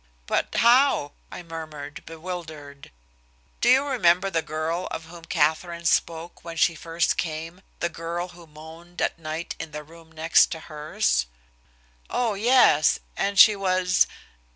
"But, how?" I murmured, bewildered. "Do you remember the girl of whom Katherine spoke when she first came, the girl who moaned at night in the room next hers?" "Oh, yes! And she was